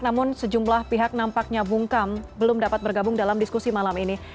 namun sejumlah pihak nampaknya bungkam belum dapat bergabung dalam diskusi malam ini